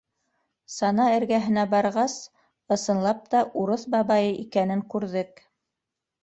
Сана эргәһенә барғас, ысынлап та, урыҫ бабайы икәнен күрҙек.